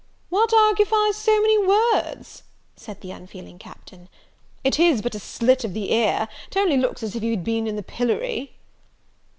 "What argufies so many words?" said the unfeeling Captain; "it is but a slit of the ear; it only looks as if you had been in the pillory."